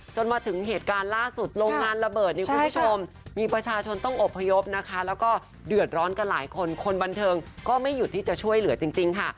จนถึงเหตุการณ์ล่าสุดโรงงานระเบิดเนี่ยคุณผู้ชมมีประชาชนต้องอบพยพนะคะแล้วก็เดือดร้อนกันหลายคนคนบันเทิงก็ไม่หยุดที่จะช่วยเหลือจริงค่ะ